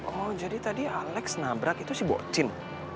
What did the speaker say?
oh mau jadi tadi alex nabrak itu si bocin